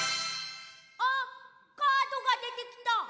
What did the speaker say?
あっカードがでてきた。